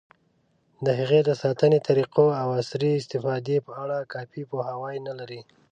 د هغې د ساتنې طریقو، او عصري استفادې په اړه کافي پوهاوی نه لري.